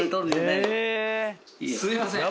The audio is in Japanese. すいません